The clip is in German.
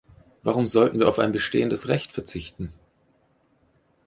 Warum sollten wir auf ein bestehendes Recht verzichten?